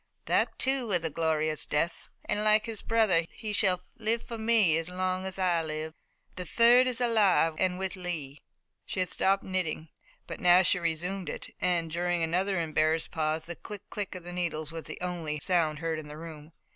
That, too, was a glorious death, and like his brother he shall live for me as long as I live. The third is alive and with Lee." She had stopped knitting, but now she resumed it, and, during another embarrassed pause, the click, click of the needles was the only sound heard in the room.